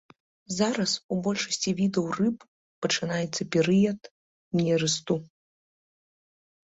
Зараз у большасці відаў рыб пачынаецца перыяд нерасту.